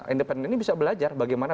independen ini bisa belajar bagaimana